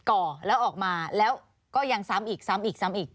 ก่อแล้วออกมาแล้วก็ยังซ้ำอีกซ้ำอีกซ้ำอีก